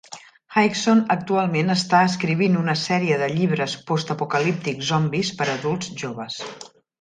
Higson actualment està escrivint una sèrie de llibres postapocalíptics zombis per a adults joves.